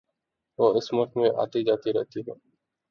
وہ اس ملک میں آتی جاتی رہتی ہے